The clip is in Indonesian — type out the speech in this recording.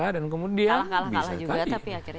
dan kemudian bisa kali